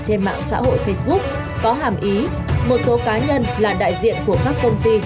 trên mạng xã hội facebook có hàm ý một số cá nhân là đại diện của các công ty